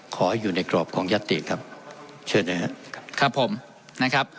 ขออยู่ในกรอบของยัตติครับเชิญนะครับครับผมนะครับ